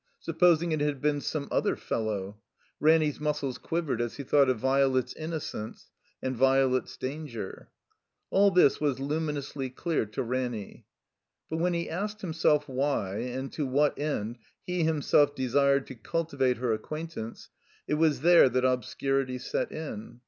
Supposing it had been some other fellow? Ranny 's muscles quivered as he thought of Violet's innocence and Violet's danger. All this was Itmiinously clear to Ranny. But when he asked himself why, and to what end he himself desired to cultivate her acquaintance, it was there that obscurity set in.